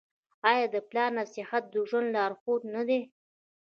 آیا د پلار نصیحت د ژوند لارښود نه دی؟